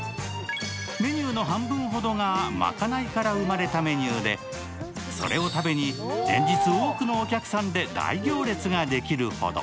メニューの半分ほどがまかないから生まれたメニューで、それを食べに連日多くのお客さんで大行列ができるほど。